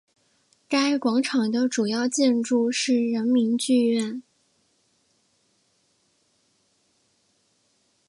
该广场的主要建筑是人民剧院。